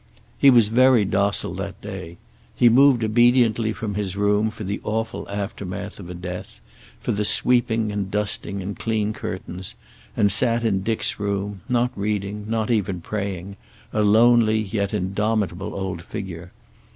He was very docile that day. He moved obediently from his room for the awful aftermath of a death, for the sweeping and dusting and clean curtains, and sat in Dick's room, not reading, not even praying, a lonely yet indomitable old figure.